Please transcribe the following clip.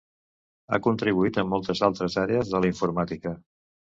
Ha contribuït en moltes altres àrees de la informàtica.